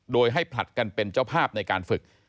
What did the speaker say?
โดยให้ผลัดกันเป็นเจ้าภาพในการฝึก